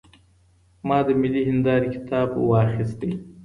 ما د ملي هنداره کتاب واخیست.